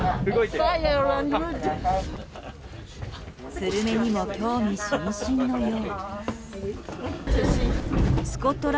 スルメにも興味津々のよう。